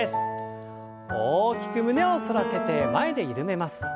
大きく胸を反らせて前で緩めます。